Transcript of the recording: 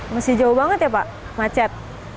masih jauh banget ya pak macet